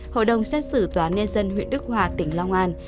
hội đồng xét xử tòa niên dân huyện đức hòa tỉnh long an